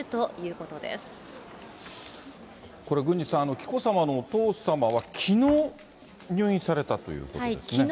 これ郡司さん、紀子さまのお父様は、きのう入院されたということですね。